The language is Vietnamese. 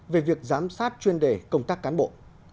về việc giám sát chuyên đề công tác cán bộ